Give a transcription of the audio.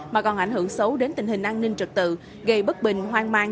mà còn ảnh hưởng xấu đến tình hình an ninh trật tự gây bất bình hoang mang